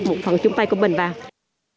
phòng chúng tay công bần vào